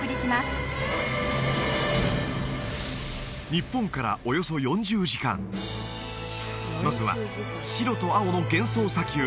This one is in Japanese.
日本からおよそ４０時間まずは白と青の幻想砂丘